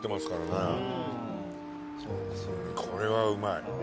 これはうまい。